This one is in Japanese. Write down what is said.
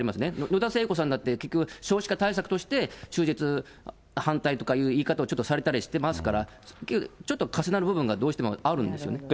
野田聖子さんだって結局、少子化対策の立場として中絶反対とかいう言い方をちょっとされたりしてますから、ちょっと重なる部分がどうしてもあるんですね。